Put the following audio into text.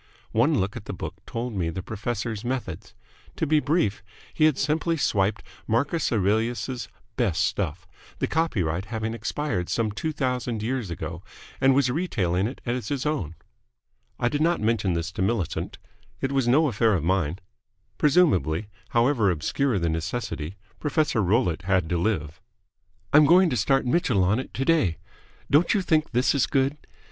One look at the book told me the professor's methods. To be brief, he had simply swiped Marcus Aurelius's best stuff, the copyright having expired some two thousand years ago, and was retailing it as his own. I did not mention this to Millicent. It was no affair of mine. Presumably, however obscure the necessity, Professor Rollitt had to live. "I'm going to start Mitchell on it today. Don't you think this is good?